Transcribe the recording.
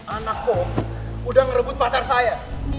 anak lo udah ngerebut pacar saya